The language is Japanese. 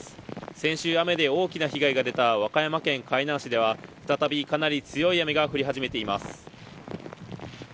先週、雨で大きな被害が出た和歌山県海南市では再び、かなり強い雨が降り始めています。